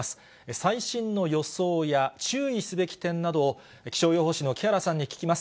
最新の予想や注意すべき点などを、気象予報士の木原さんに聞きます。